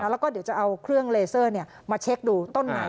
แล้วก็เดี๋ยวจะเอาเครื่องเลเซอร์มาเช็คดูต้นไหน